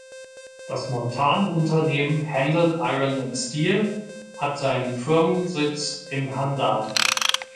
Das Montanunternehmen Handan Iron and Steel hat seinen Firmensitz in Handan.